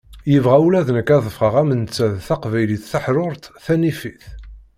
Yebɣa ula d nekk ad d-ffɣeɣ am netta d taqbaylit taḥrurt tanifit.